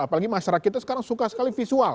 apalagi masyarakat kita sekarang suka sekali visual